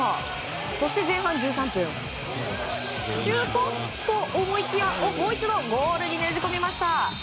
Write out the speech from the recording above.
そして前半１３分、シュート！と思いきや、もう一度ゴールにねじ込みました。